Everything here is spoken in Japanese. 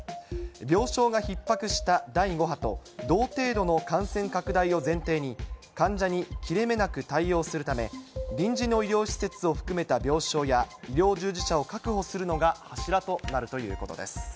病床がひっ迫した第５波と同程度の感染拡大を前提に、患者に切れ目なく対応するため、臨時の医療施設を含めた病床や、医療従事者を確保するのが柱となるということです。